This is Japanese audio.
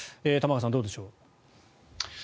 玉川さん、どうでしょう。